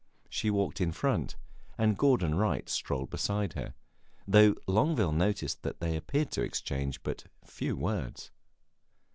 She walked in front, and Gordon Wright strolled beside her, though Longueville noticed that they appeared to exchange but few words.